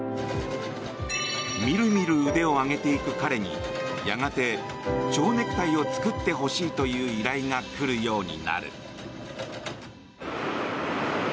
みるみる腕を上げていく彼にやがて蝶ネクタイを作ってほしいという依頼が来るようになる。